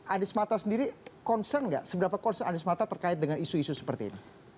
adis matar sendiri concern nggak seberapa concern adis matar terkait dengan isu isu seperti ini